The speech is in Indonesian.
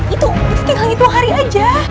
itu tinggal itu hari aja